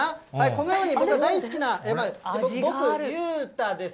このように、僕が大好きな、僕、裕太です。